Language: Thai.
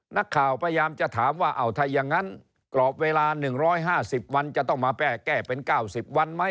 นักข่าวพยายามจะถามว่าเอาถ้าอย่างนั้นกรอบเวลา๑๕๐วันจะต้องมาแก้เป็น๙๐วันไหม